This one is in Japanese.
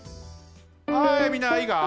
はいみんないいか？